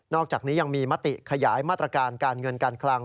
อกจากนี้ยังมีมติขยายมาตรการการเงินการคลัง